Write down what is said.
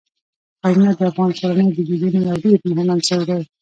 قومونه د افغان کورنیو د دودونو یو ډېر مهم عنصر دی.